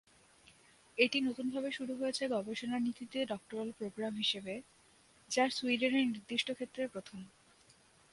এটি নতুনভাবে শুরু হয়েছে গবেষণা নীতিতে ডক্টরাল প্রোগ্রাম হিসেবে, যা সুইডেনে নির্দিষ্ট ক্ষেত্রে প্রথম।